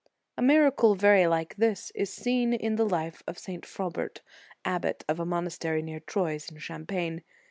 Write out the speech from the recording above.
J A miracle very like this is seen in the life of St. Frobert, abbot of a monastery near Troyes in Champagne.